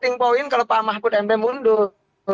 mungkin kalau pak mahfud md mundur